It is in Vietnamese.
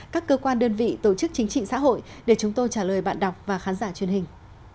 các cơ quan đơn vị tổ chức chính trị xã hội để chúng tôi trả lời bạn đọc và khán giả truyền hình